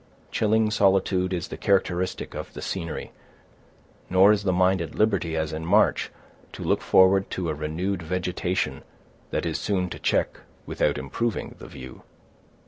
Chilling solitude is the characteristic of the scenery; nor is the mind at liberty, as in March, to look forward to a renewed vegetation that is soon to check, without improving, the view.